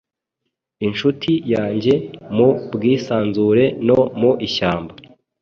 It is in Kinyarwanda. Inshuti yanjye mu bwisanzure no mu ishyamba